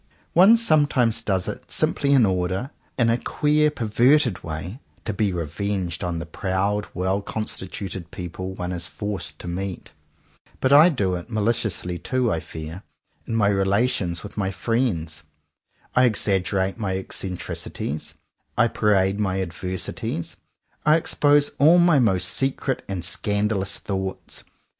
One some times does it simply in order, in a queer perverted way, to be revenged on the proud, well constituted people one is forced to meet. But I do it, maliciously too, I fear, in my relations with my friends. I exag gerate my eccentricities; I parade my ad versities; I expose all my most secret and scandalous thoughts.